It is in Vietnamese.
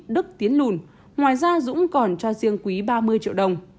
đức tiến lùn ngoài ra dũng còn cho riêng quý ba mươi triệu đồng